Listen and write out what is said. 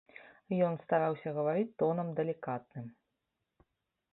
Ён стараўся гаварыць тонам далікатным.